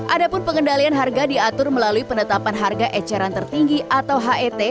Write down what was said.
adapun pengendalian harga diatur melalui penetapan harga eceran tertinggi atau het